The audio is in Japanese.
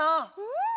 うん！